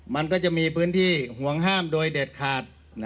มันก็จะมีพื้นที่ห่วงห้ามโดยเด็ดขาด